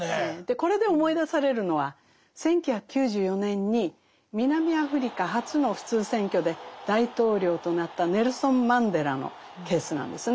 これで思い出されるのは１９９４年に南アフリカ初の普通選挙で大統領となったネルソン・マンデラのケースなんですね。